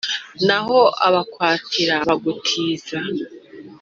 naho abakwatira bagutiza